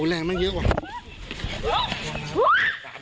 เสียโดนราว